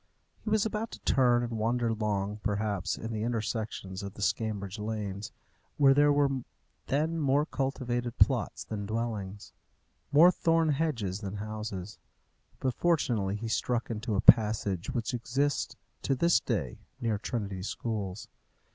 He was about to turn and wander long, perhaps, in the intersections of the Scrambridge lanes, where there were then more cultivated plots than dwellings, more thorn hedges than houses; but fortunately he struck into a passage which exists to this day near Trinity schools.